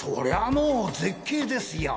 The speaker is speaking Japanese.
もう絶景ですよ！